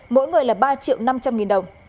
mỗi người là ba triệu năm trăm linh nghìn đồng